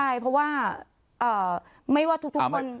ใช่เพราะว่าไม่ว่าทุกคน